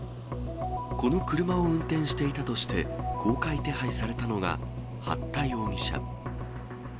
この車を運転していたとして、公開手配されたのが、八田容疑者。